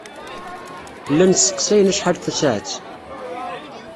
Llan sseqsayen acḥal tasaɛet.